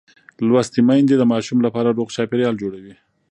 لوستې میندې د ماشوم لپاره روغ چاپېریال جوړوي.